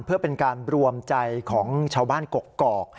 เพื่อเป็นการรวมใจของชาวบ้านกกอก